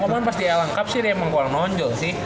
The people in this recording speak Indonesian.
cuma emang pas dia lengkap sih dia emang kurang nonjol sih